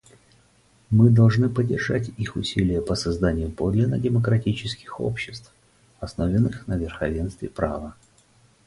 Мы должны поддержать их усилия по созданию подлинно демократических обществ, основанных на верховенстве права.